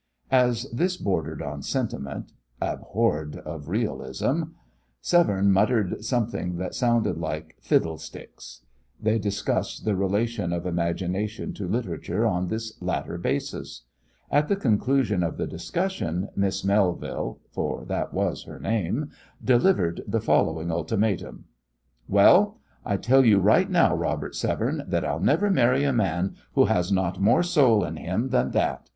As this bordered on sentiment, abhorred of realism, Severne muttered something that sounded like "fiddlesticks." They discussed the relation of imagination to literature on this latter basis. At the conclusion of the discussion, Miss Melville, for that was her name, delivered the following ultimatum: "Well, I tell you right now, Robert Severne, that I'll never marry a man who has not more soul in him than that.